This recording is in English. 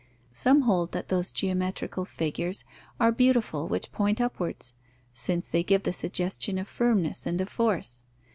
Some hold that those geometrical figures are beautiful which point upwards, since they give the suggestion of firmness and of force.